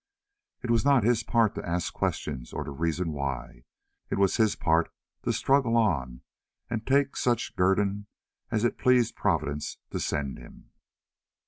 It was not his part to ask questions or to reason why; it was his part to struggle on and take such guerdon as it pleased Providence to send him.